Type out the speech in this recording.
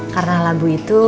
karena lagu itu